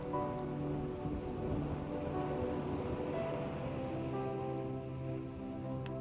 saya sudah berhenti mencari kamu